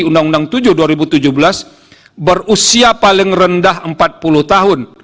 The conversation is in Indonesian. undang undang tujuh dua ribu tujuh belas berusia paling rendah empat puluh tahun